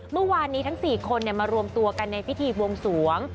เมื่อวานนี้ทั้ง๔คนมารวมตัวกันในพิธีบวงสวง